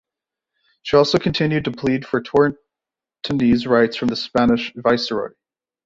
She also continued to plead for Tortonese rights from the Spanish viceroy.